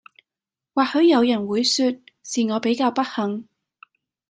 或許人有會說是我比較不幸